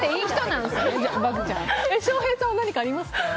翔平さん、何かありますか？